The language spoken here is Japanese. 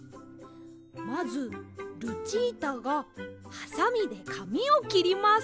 まずルチータがハサミでかみをきります。